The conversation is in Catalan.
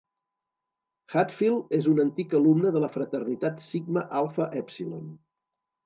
Hatfield és un antic alumne de la fraternitat Sigma Alpha Epsilon.